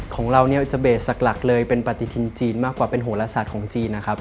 ของเราเนี่ยจะเบสหลักเลยเป็นปฏิทินจีนมากกว่าเป็นโหลศาสตร์ของจีนนะครับ